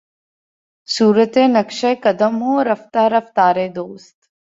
صورتِ نقشِ قدم ہوں رفتۂ رفتارِ دوست